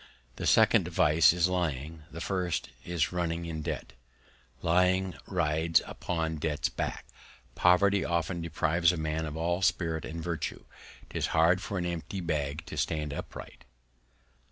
The second Vice is Lying, the first is running in Debt. Lying rides upon Debt's Back. Poverty often deprives a Man of all Spirit and Virtue: 'Tis hard for an empty Bag to stand upright.